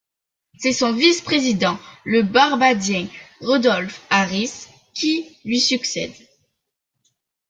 C'est son vice-président, le barbadien Randolph Harris qui lui succède.